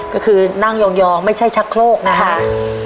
ก็คือนั่งยองไม่ใช่ชักโครกนะครับ